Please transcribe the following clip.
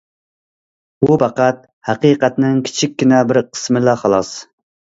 بۇ پەقەت ھەقىقەتنىڭ كىچىككىنە بىر قىسمىلا خالاس.